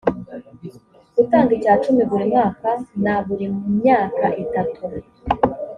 gutanga icya cumi buri mwaka na buri myaka itatu